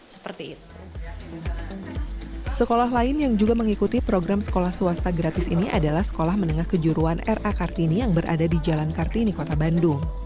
sekolah lain yang juga mengikuti program sekolah swasta gratis ini adalah sekolah menengah kejuruan ra kartini yang berada di jalan kartini kota bandung